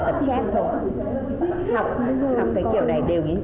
học cái kiểu này đều như thế hết cả